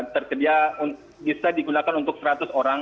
tersedia bisa digunakan untuk seratus orang